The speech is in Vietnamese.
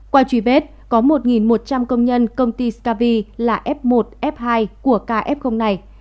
qua truy vết có một một trăm linh công nhân công ty scavi là f một f hai của kf này